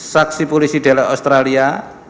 saksi polisi dari australia